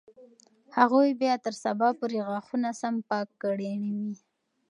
هغوی به تر سبا پورې غاښونه سم پاک کړي وي.